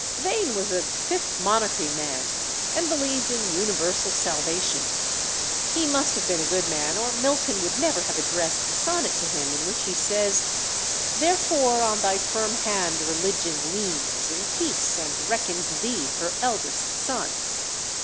Vane was a "Fifth monarchy man," and believed in universal salvation. He must have been a good man, or Milton would never have addressed the sonnet to him in which he says "Therefore, on thy firm hand Religion leans In peace, and reckons thee her eldest son."